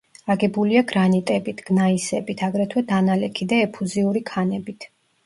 აგებულია გრანიტებით, გნაისებით, აგრეთვე დანალექი და ეფუზიური ქანებით.